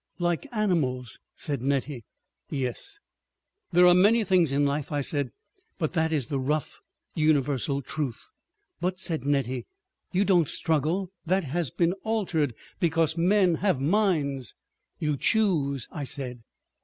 "Like animals," said Nettie. "Yes. ..." "There are many things in life," I said, "but that is the rough universal truth." "But," said Nettie, "you don't struggle. That has been altered because men have minds." "You choose," I said.